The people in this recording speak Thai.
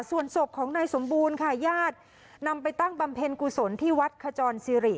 ส่วนศพของนายสมบูรณ์ค่ะญาตินำไปตั้งบำเพ็ญกุศลที่วัดขจรสิริ